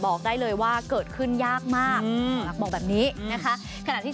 บอกได้เลยว่าเกิดขึ้นยากมากบอกแบบนี้นะคะขณะที่